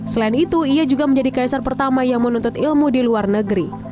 selain itu ia juga menjadi kaisar pertama yang menuntut ilmu di luar negeri